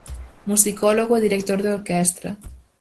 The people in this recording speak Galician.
Musicólogo e director de orquestra.